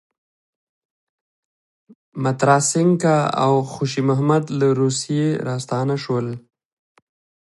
متراسینکه او خوشی محمد له روسیې راستانه شول.